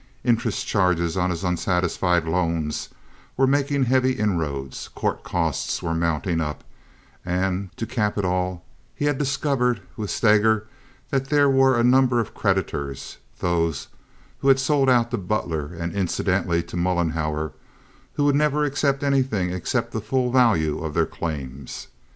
Interest charges on his unsatisfied loans were making heavy inroads; court costs were mounting up; and, to cap it all, he had discovered with Steger that there were a number of creditors—those who had sold out to Butler, and incidentally to Mollenhauer—who would never accept anything except the full value of their claims.